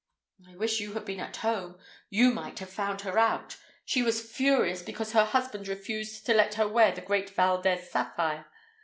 "I wish you had been at home. You might have found her out. She was furious because her husband refused to let her wear the great Valdez sapphire.